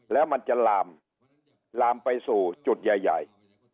แล้วมันจะลามลามไปสู่จุดใหญ่